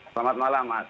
selamat malam pak